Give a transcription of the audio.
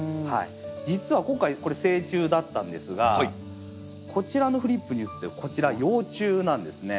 実は今回これ成虫だったんですがこちらのフリップに写ってるこちら幼虫なんですね。